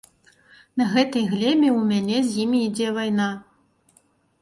На гэтай глебе ў мяне з імі ідзе вайна.